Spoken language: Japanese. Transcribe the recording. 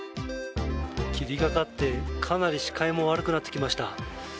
霧がかって、かなり視界も悪くなってきました。